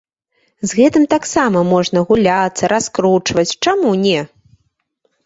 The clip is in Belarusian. З гэтым таксама можна гуляцца, раскручваць, чаму не?